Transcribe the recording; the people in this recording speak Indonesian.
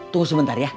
tunggu sebentar ya